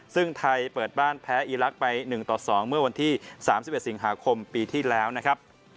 ซึ่งไทยเปิดบ้านแพ้อีลักษณ์ไปหนึ่งต่อสองเมื่อวันที่สามสิบเอ็ดสิงหาคมปีที่แล้วนะครับ